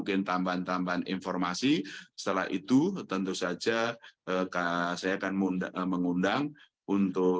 itu tentu saja saya akan mengundang untuk